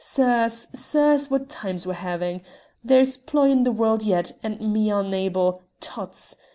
Sirs! sirs! what times we're ha'in; there's ploy in the warld yet, and me unable tuts!